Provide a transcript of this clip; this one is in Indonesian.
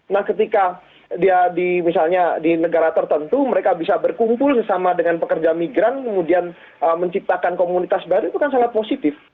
nah ketika dia di misalnya di negara tertentu mereka bisa berkumpul sesama dengan pekerja migran kemudian menciptakan komunitas baru itu kan sangat positif